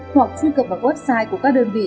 hoặc truy cập vào website của các đơn vị